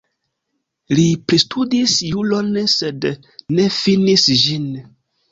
Li pristudis juron, sed ne finis ĝin.